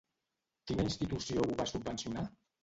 Quina institució ho va subvencionar?